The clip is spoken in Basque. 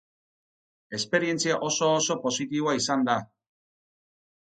Esperientzia oso-oso positiboa izan da.